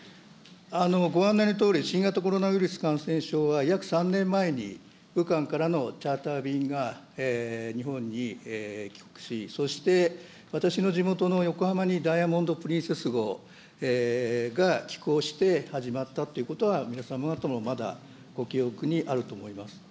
ご案内のとおり、新型コロナウイルス感染症は、約３年前に武漢からのチャーター便が日本に帰国し、そして私の地元の横浜にダイヤモンド・プリンセス号が寄港して始まったっていうことは、皆さん方もまだご記憶にあると思います。